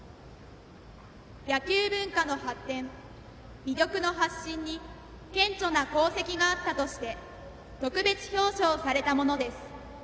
野球文化の発展、魅力の発信に顕著な功績があったとして特別表彰されたものです。